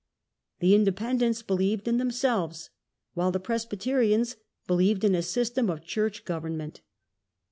The Independents believed in themselves, while the Presbyterians believed in a system of church govern ment.